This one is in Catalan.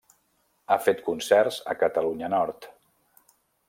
Ha fet concerts a Catalunya Nord: